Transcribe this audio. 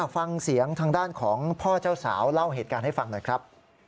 ฟังเสียงทางด้านของพ่อเจ้าสาวเล่าเหตุการณ์ให้ฟังหน่อยครับ